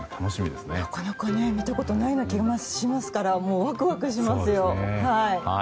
なかなか見たことない気がしますからワクワクしますよ。